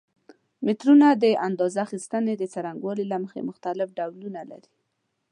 مترونه د اندازه اخیستنې د څرنګوالي له مخې مختلف ډولونه لري.